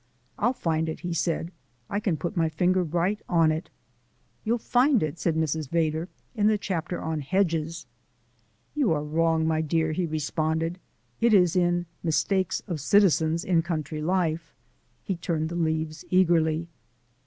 "I'll find it," he said. "I can put my finger right on it." "You'll find it," said Mrs. Vedder, "in the chapter on 'Hedges.'" "You are wrong, my dear," he responded, "it is in 'Mistakes of Citizens in Country Life.'" He turned the leaves eagerly.